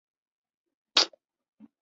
壶冠木为茜草科壶冠木属下的一个种。